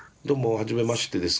はじめましてです。